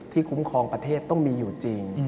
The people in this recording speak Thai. คุ้มครองประเทศต้องมีอยู่จริง